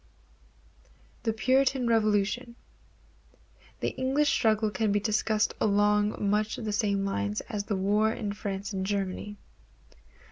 The Puritan Revolution. The English struggle can be discussed along much the same lines as the wars in France and Germany.